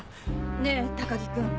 ねぇ高木君